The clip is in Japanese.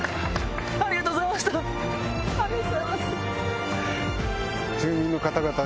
ありがとうございます。